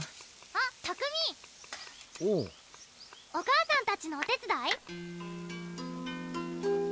あっ拓海おうお母さんたちのお手伝い？